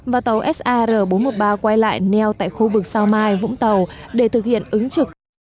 và tàu sar bốn trăm một mươi ba quay lại neo tại khu vực sao mai vũng tàu để thực hiện ứng trực